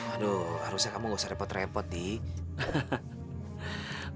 aduh harusnya kamu gak usah repot repot nih